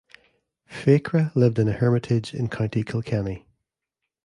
Fiacre lived in a hermitage in County Kilkenny.